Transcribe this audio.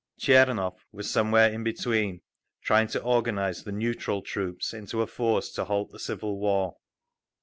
Tchernov was somewhere in between, trying to organise the "neutral" troops into a force to halt the civil war.